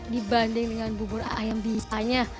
dibanding dengan bubur ayam biasanya